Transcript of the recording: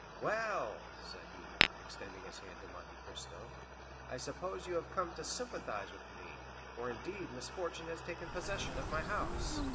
"Well," said he, extending his hand to Monte Cristo, "I suppose you have come to sympathize with me, for indeed misfortune has taken possession of my house.